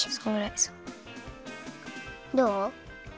どう？